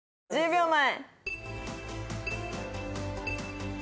１０秒前。